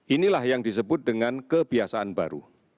inilah yang disebut dengan kebiasaan baru